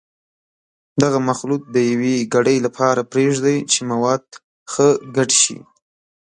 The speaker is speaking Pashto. دغه مخلوط د یوې ګړۍ لپاره پرېږدئ چې مواد ښه ګډ شي.